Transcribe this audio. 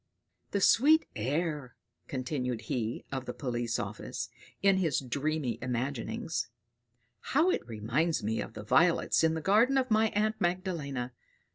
"The sweet air!" continued he of the police office, in his dreamy imaginings; "how it reminds me of the violets in the garden of my aunt Magdalena!